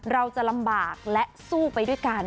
เราจะลำบากและสู้ไปด้วยกัน